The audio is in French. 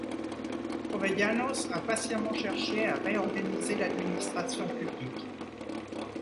Jovellanos a patiemment cherché à réorganiser l'administration publique.